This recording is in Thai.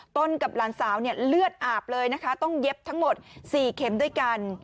กับหลานสาวเนี่ยเลือดอาบเลยนะคะต้องเย็บทั้งหมด๔เข็มด้วยกัน